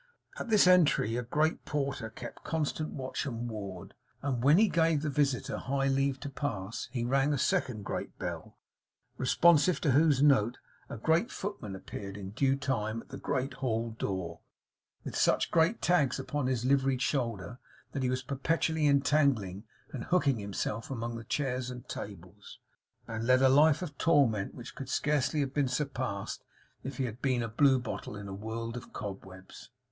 At this entry, a great porter kept constant watch and ward; and when he gave the visitor high leave to pass, he rang a second great bell, responsive to whose note a great footman appeared in due time at the great halldoor, with such great tags upon his liveried shoulder that he was perpetually entangling and hooking himself among the chairs and tables, and led a life of torment which could scarcely have been surpassed, if he had been a blue bottle in a world of cobwebs.